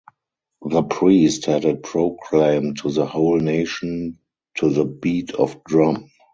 The priest had it proclaimed to the whole nation to the beat of drum.